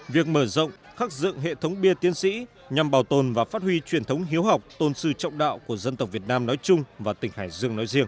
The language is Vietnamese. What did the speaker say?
việc mở rộng khắc dựng hệ thống bia tiến sĩ nhằm bảo tồn và phát huy truyền thống hiếu học tôn sư trọng đạo của dân tộc việt nam nói chung và tỉnh hải dương nói riêng